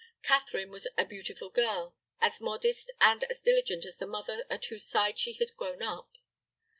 Catherine was a beautiful girl, as modest and as diligent as the mother at whose side she had grown up.